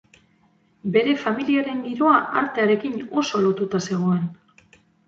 Bere familiaren giroa artearekin oso lotuta zegoen.